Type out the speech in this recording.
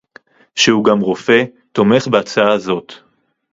שהוא גם רופא, תומך בהצעה הזאת